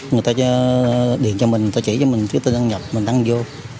người ta điện cho mình người ta chỉ cho mình người ta đăng nhập người ta đăng vô